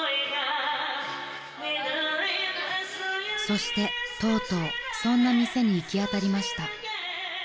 ［そしてとうとうそんな店に行き当たりました］